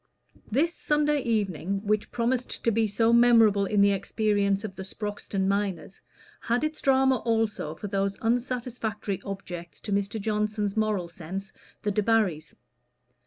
This Sunday evening, which promised to be so memorable in the experience of the Sproxton miners, had its drama also for those unsatisfactory objects to Mr. Johnson's moral sense, the Debarrys.